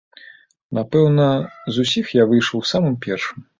Напэўна, з усіх я выйшаў самым першым.